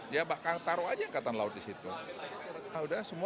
ya taruh saja angkatan laut di situ